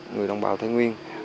người đồng bào thái nguyên